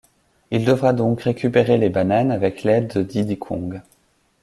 Il devra donc récupérer les bananes avec l'aide de Diddy Kong.